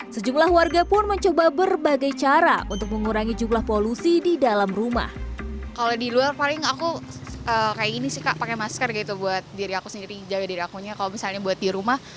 sejumlah warga pun mencoba berbagai cara untuk mengurangi jumlah polusi di dalam rumah